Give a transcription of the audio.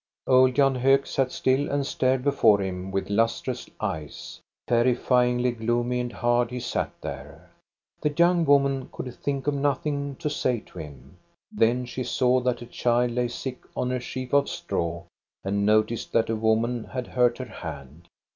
Old Jan Hok sat still and stared before him with lustreless eyes. Terrifyingly gloomy and hard, he sat there. The young woman could think of nothing to say to him. Then she saw that a child lay sick on a sheaf of straw, and noticed that a woman had hurt her hand.